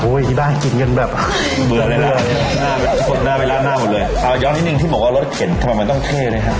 ที่บ้านกินกันแบบเบื่อเลยล่ะหน้ากดหน้าไปล่าหน้าหมดเลยเอาย้อนนิดนึงที่บอกว่ารถเข็นทำไมมันต้องเท่เลยฮะ